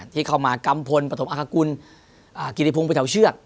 ที่เข้ามากรรมพลปฐมอาฆกุลกิติพงษ์ไปเฉียวเชือก